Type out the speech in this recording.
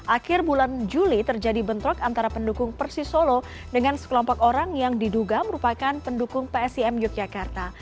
akhir bulan juli terjadi bentrok antara pendukung persisolo dengan sekelompok orang yang diduga merupakan pendukung psim yogyakarta